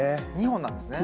２本なんですね。